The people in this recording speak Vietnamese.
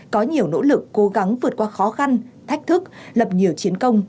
có nhiều nỗ lực cố gắng vượt qua khó khăn thách thức lập nhiều chiến công